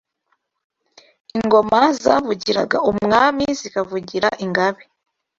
Ingoma zavugiraga Umwami, zikavugira ingabe